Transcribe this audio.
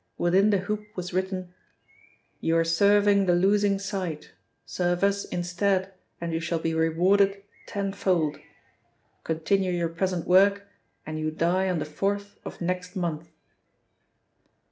Within the hoop was written: 'You are serving the losing side. Serve us instead and you shall be rewarded tenfold. Continue your present work, and you die on the fourth of next month.'